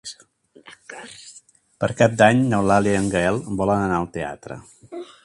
Per Cap d'Any n'Eulàlia i en Gaël volen anar al teatre.